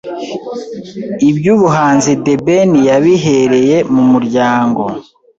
Iby’ubuhanzi The Ben yabihereye mu muryango